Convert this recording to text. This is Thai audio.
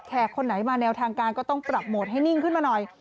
คนไหนมาแนวทางการก็ต้องปรับโหมดให้นิ่งขึ้นมาหน่อย